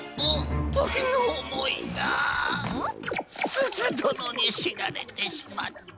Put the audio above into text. すずどのにしられてしまった！？